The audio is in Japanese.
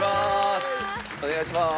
お願いします。